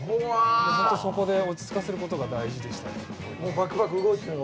そこで落ち着かせることが大事でした。